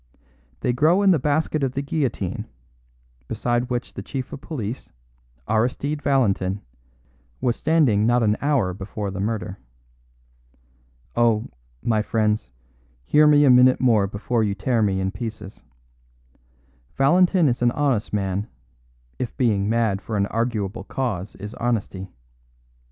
They grow in the basket of the guillotine, beside which the chief of police, Aristide Valentin, was standing not an hour before the murder. Oh, my friends, hear me a minute more before you tear me in pieces. Valentin is an honest man, if being mad for an arguable cause is honesty.